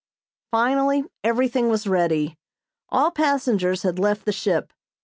Finally everything was ready. All passengers had left the ship.